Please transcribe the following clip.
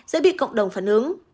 sẽ bị cộng đồng phản ứng